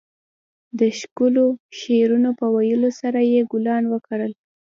د ښکلو شعرونو په ويلو سره يې ګلان وکرل.